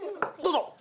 どうぞ。